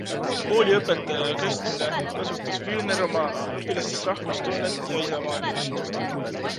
Kooliõpetaja ja köstrina kasvatas Wühner oma õpilastes rahvustunnet ja isamaalisust.